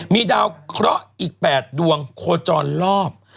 มีดาวเคราะห์อีก๘ดวงโคจรรอบ